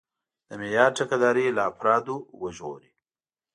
د معیار ټیکهداري له افرادو وژغوري.